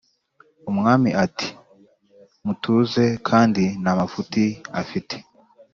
Umwami ati"mutuze kandi ntafuti afite